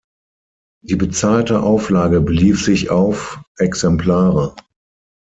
Die bezahlte Auflage belief sich auf Exemplare.